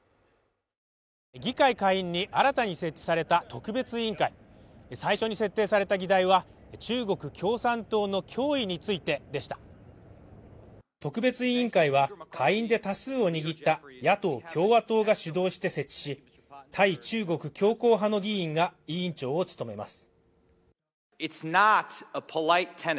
議会下院に新たに設置された特別委員会で最初に設定された議題は中国共産党の脅威についてでした。特別委員会は下院で多数を握った野党共和党が主導して設置し、対中国強硬派の議員が委員長を務めます。